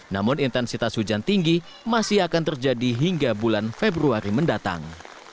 namun intensitas hujan tinggi masih akan terjadi hingga bulan februari mendatang